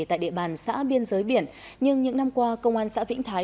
tại địa bàn xã biên giới biển nhưng những năm qua công an xã vĩnh thái